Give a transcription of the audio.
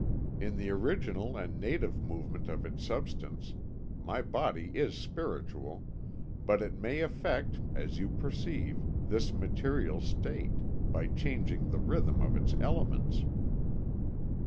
In the original and native movement of its substance, my body is spiritual, but it may affect, as you perceive, this material state, by changing the rhythm of its elements."